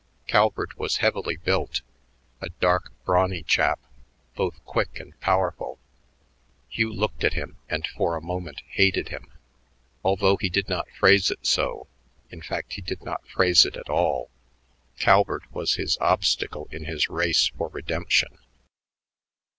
Calvert was heavily built a dark, brawny chap, both quick and powerful. Hugh looked at him and for a moment hated him. Although he did not phrase it so in fact, he did not phrase it at all Calvert was his obstacle in his race for redemption.